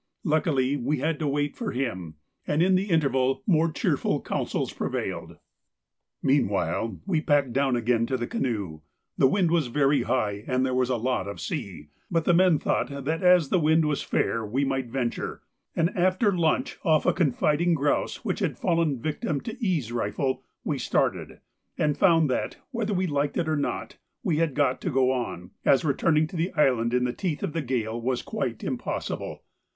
Luckily we had to wait for him, and in the interval more cheerful counsels prevailed. Meanwhile we packed down again to the canoe; the wind was very high and there was a lot of sea, but the men thought that as the wind was fair we might venture, and after lunch off a confiding grouse which had fallen a victim to E.'s rifle, we started, and found that, whether we liked it or not, we had got to go on, as returning to the island in the teeth of the gale was quite impossible.